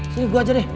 sini gua aja deh